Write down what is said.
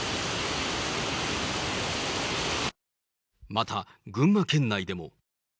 また、群馬県内でも。